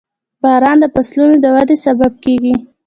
• باران د فصلونو د ودې سبب کېږي.